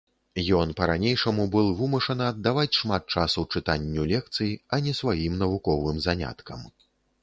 Ён па-ранейшаму быў вымушаны аддаваць шмат часу чытанню лекцый, а не сваім навуковым заняткам.